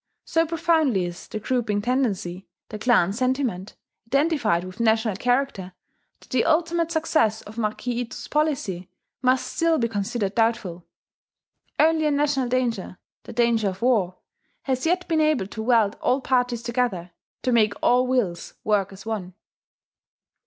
So profoundly is the grouping tendency, the clan sentiment, identified with national character, that the ultimate success of Marquis Ito's policy must still be considered doubtful. Only a national danger the danger of war, has yet been able to weld all parties together, to make all wills work as one.